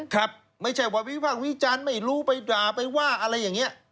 ครับไม่ใช่ว่าวิพากษ์วิจารณ์ไม่รู้ไปด่าไปว่าอะไรอย่างนี้